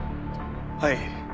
はい。